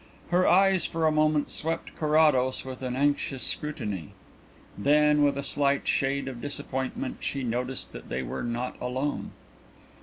Her eyes for a moment swept Carrados with an anxious scrutiny. Then, with a slight shade of disappointment, she noticed that they were not alone.